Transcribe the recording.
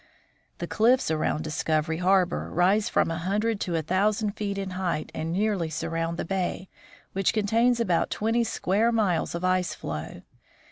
The cliffs around Discovery harbor rise from a hundred to a thousand feet in height and nearly surround the bay, which contains about twenty square miles of ice floe.